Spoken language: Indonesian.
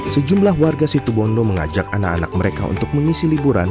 sejumlah warga situbondo mengajak anak anak mereka untuk mengisi liburan